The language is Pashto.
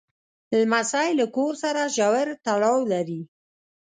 لمسی له کور سره ژور تړاو لري.